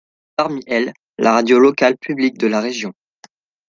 Parmi elles, la radio locale publique de la région.